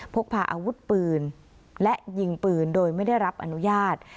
พกพาอาวุธปืนและยิงปืนโดยไม่ได้รับอนุญาต